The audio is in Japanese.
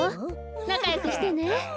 なかよくしてね。